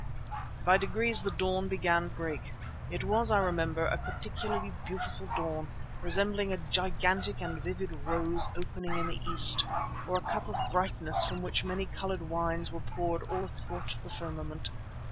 By degrees the dawn began to break. It was, I remember, a particularly beautiful dawn, resembling a gigantic and vivid rose opening in the east, or a cup of brightness from which many coloured wines were poured all athwart the firmament.